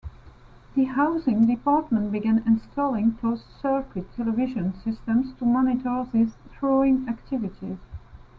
The housing department began installing closed-circuit television systems to monitor these throwing activities.